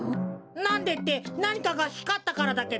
なんでってなにかがひかったからだけど。